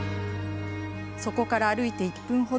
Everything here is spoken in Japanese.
そこから歩いて１分程。